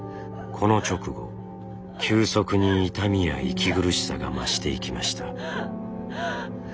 この直後急速に痛みや息苦しさが増していきました。